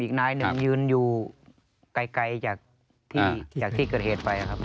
อีกนายหนึ่งยืนอยู่ไกลจากที่เกิดเหตุไปครับ